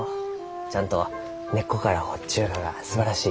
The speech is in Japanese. ちゃんと根っこから掘っちゅうががすばらしいき。